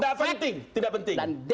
tidak penting tidak penting